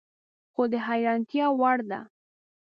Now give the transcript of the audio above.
خو د حیرانتیا وړ ده